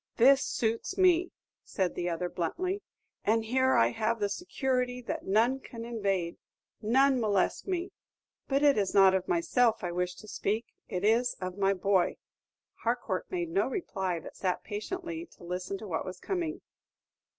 "This suits me," said the other, bluntly; "and here I have the security that none can invade, none molest me. But it is not of myself I wish to speak, it is of my boy." Harcourt made no reply, but sat patiently to listen to what was coming.